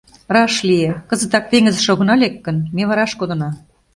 Раш лие: кызытак теҥызыш огына лек гын, ме вараш кодына.